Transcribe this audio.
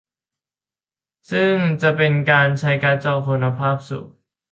ซึ่งจะเป็นการใช้การ์ดจอคุณภาพสูง